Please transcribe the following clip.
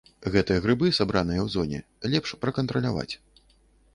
Гэтыя грыбы, сабраныя ў зоне, лепш пракантраляваць.